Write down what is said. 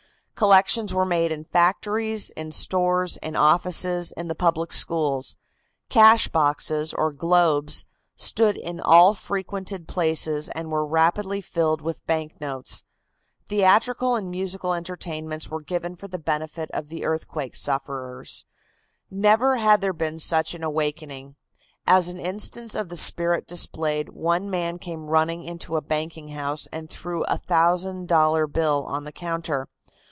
Collections were made in factories, in stores, in offices, in the public schools; cash boxes or globes stood in all frequented places and were rapidly filled with bank notes; theatrical and musical entertainments were given for the benefit of the earthquake sufferers; never had there been such an awakening. As an instance of the spirit displayed, one man came running into a banking house and threw a thousand dollar bill on the counter.